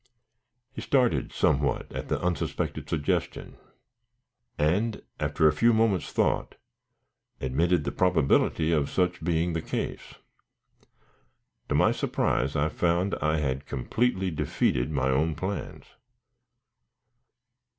He started somewhat at the unsuspected suggestion, and, after a few moments' thought, admitted the probability of such being the case. To my surprise I found I had completely defeated my own plans.